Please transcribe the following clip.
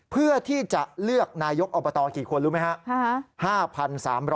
เพื่อที่จะเลือกนายกอบตกี่คนรู้ไหมครับ